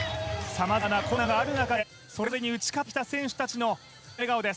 さまざまな困難がある中でそれぞれに打ち勝ってきた選手たちのこの笑顔です。